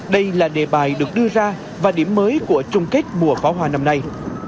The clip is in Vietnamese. đây là đề bài được đưa ra và điểm mới của trung kết mùa pháo hoa năm nay